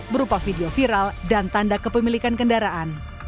berupa video viral dan tanda kepemilikan kendaraan